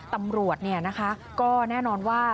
ตำรวจก็แน่นอนว่า